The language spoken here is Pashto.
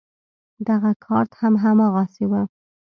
دغه کارت هم هماغسې و.